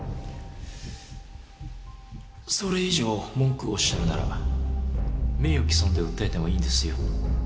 それ以上文句をおっしゃるなら名誉毀損で訴えてもいいんですよ？